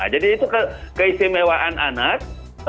jadi itu keistimewaan anak